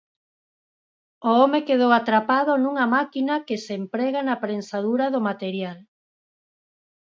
O home quedou atrapado nunha máquina que se emprega na prensadura do material.